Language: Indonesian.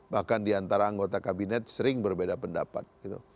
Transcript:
bahkan diantara anggota kabinet sering berbeda pendapat